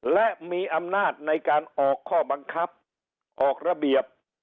และมีอำนาจในการออกข้อบังคับออกระเบียบ